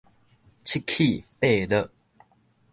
七起八落